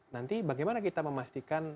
nanti bagaimana kita memastikan